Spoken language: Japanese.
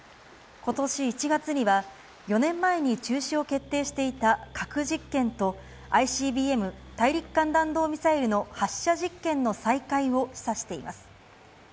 ことし１月には、４年前に中止を決定していた核実験と、ＩＣＢＭ・大陸間弾道ミサイルの発射実験の再開を示唆しています。